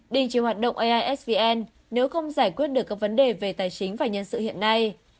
đình chỉ hoạt động aisvn nếu không giải quyết được các vấn đề về tài chính và nhân sự hiện nay